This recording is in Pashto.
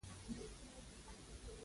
زه د یوه منطق له مخې خبره کوم.